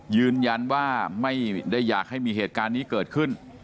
ยืนยันว่าไม่ได้อยากให้มีเหตุการณ์นี้เกิดขึ้น